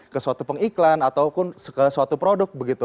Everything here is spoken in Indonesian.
ke suatu pengiklan ataupun ke suatu produk begitu